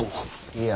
いや。